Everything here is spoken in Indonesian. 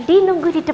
thank you satu aja ya